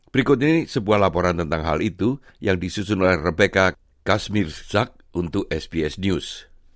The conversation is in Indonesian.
berikut ini sebuah laporan tentang hal itu yang disusun oleh rebecca kasmirzak untuk sbs news